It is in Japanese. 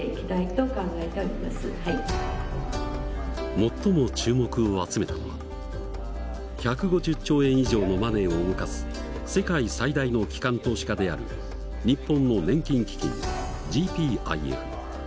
最も注目を集めたのは１５０兆円以上のマネーを動かす世界最大の機関投資家である日本の年金基金ＧＰＩＦ。